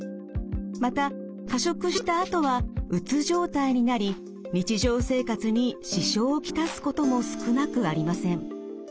また過食したあとはうつ状態になり日常生活に支障を来すことも少なくありません。